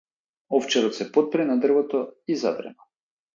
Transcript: Овчарот се потпре на дрвото и задрема.